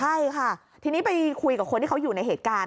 ใช่ค่ะทีนี้ไปคุยกับคนที่เขาอยู่ในเหตุการณ์